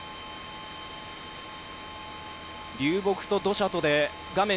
流木と土砂とで画面